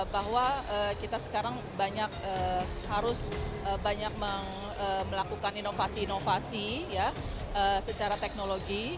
bahwa kita sekarang banyak harus banyak melakukan inovasi inovasi secara teknologi